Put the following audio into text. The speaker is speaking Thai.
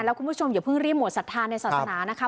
แล้วคุณผู้ชมอย่าเพิ่งรีบหมดศรัทธาในศาสนานะคะ